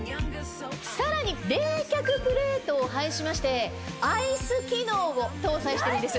さらに冷却プレートを配しまして。を搭載しているんです。